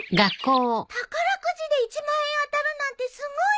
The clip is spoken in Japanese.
宝くじで１万円当たるなんてすごいねえ。